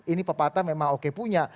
ini pepatah memang oke punya